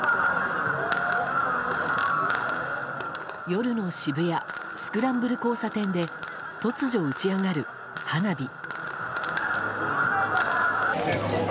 夜の渋谷スクランブル交差点で突如打ち上がる花火。